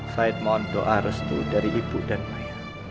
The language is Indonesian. said mohon doa restu dari ibu dan ayah